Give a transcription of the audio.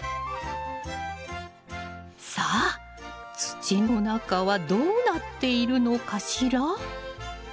さあ土の中はどうなっているのかしら？